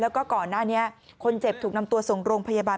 แล้วก็ก่อนหน้านี้คนเจ็บถูกนำตัวส่งโรงพยาบาล